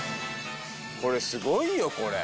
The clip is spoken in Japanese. これすごいよこれ。